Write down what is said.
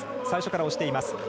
最初から押しています。